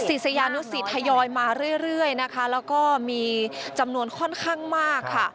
ศิษยานุสิตทยอยมาเรื่อยนะคะแล้วก็มีจำนวนค่อนข้างมากค่ะ